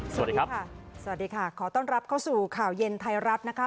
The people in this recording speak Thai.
สวัสดีค่ะสวัสดีค่ะขอต้อนรับเข้าสู่ข่าวเย็นไทยรัฐนะคะ